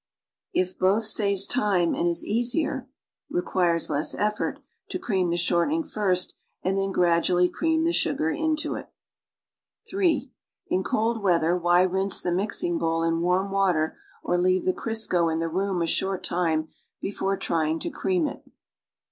It both saves time and is easier (requires less effort) to cream the shortening first and then gradually' cream the sugar into it. (3) In cold weather, wliy rinse tlie mixing bowl in warm water or leave the Crisro in the room a short time before trying to cream it?